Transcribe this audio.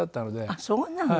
ああそうなの？